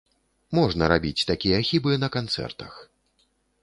Можна рабіць такія хібы на канцэртах.